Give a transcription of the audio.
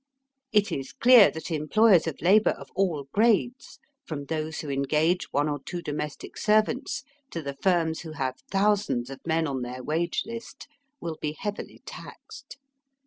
It is clear that employers of labour of all grades, from those who engage one or two domestic servants to the firms who have thousands of men on their wage list, will be heavily taxed.